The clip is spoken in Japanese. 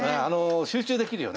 集中できるよね。